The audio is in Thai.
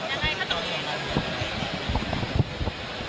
อย่างไรคะตอนต้องบอก